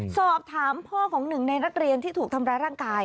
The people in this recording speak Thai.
สอบถามพ่อของหนึ่งในนักเรียนที่ถูกทำร้ายร่างกาย